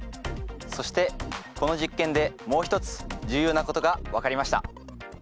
そしてこの実験でもう一つ重要なことが分かりました。